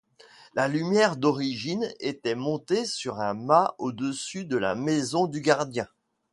La lumière d'origine était montée sur un mât au-dessus de la maison du gardien.